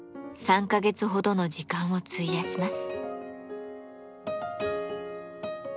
３か月ほどの時間を費やします。